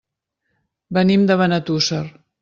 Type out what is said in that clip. Venim de Benetússer.